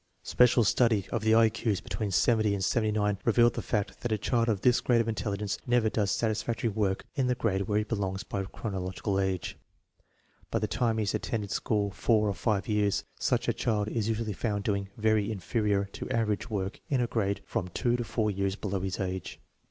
1 Special study of the I Q's between 70 and 79 revealed the fact that a child of this grade of intelligence never does satisfactory work in the grade where he belongs by chrono logical age. By the time he has attended school four or five years, such a child is usually found doing " very inferior " to " average " work in a grade from two to four years below his age.